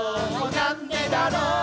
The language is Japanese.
なんでだろう